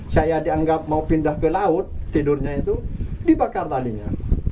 saya dianggap mau pindah ke laut tidurnya itu dibakar talinya